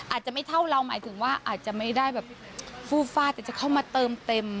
อาจจะไม่เท่าเราหมายถึงว่าอาจจะไม่ได้แบบฟู้ฟาดแต่จะเข้ามาเติมเต็ม